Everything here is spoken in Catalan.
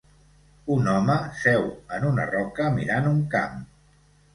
un home seu en una roca mirant un camp.